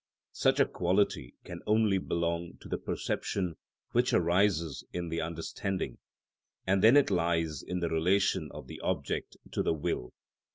Such a quality can only belong to the perception which arises in the understanding, and then it lies in the relation of the object to the will.